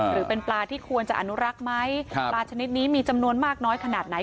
หรือเป็นปลาที่ควรจะอนุรักษ์ไหมปลาชนิดนี้มีจำนวนมากน้อยขนาดไหน